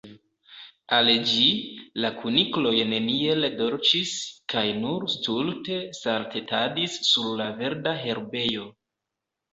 Al ĝi, la kunikloj neniel dolĉis, kaj nur stulte saltetadis sur la verda herbejo.